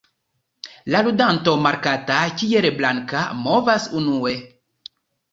La ludanto markata kiel "blanka" movas unue.